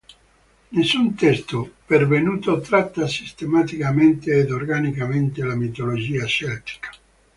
Nessun testo pervenuto tratta sistematicamente ed organicamente la mitologia celtica.